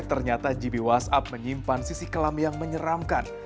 ternyata gb whatsapp menyimpan sisi kelam yang menyeramkan